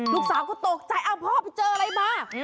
ลูกสาวก็ตกใจพ่อไปเจออะไรมา